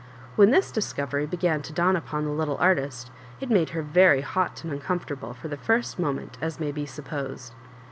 When this discovery began to dawn upon the little artist, it made her very hot and uncom fortable for the first moment, as may be supposed.